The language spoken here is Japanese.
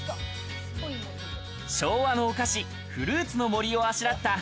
昭和のお菓子、フルーツの森をあしらった。